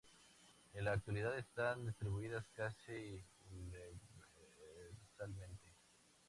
En la actualidad están distribuidas casi universalmente.